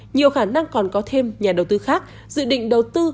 nhiều khả năng còn có thêm nhà đầu tư khác dự định đầu tư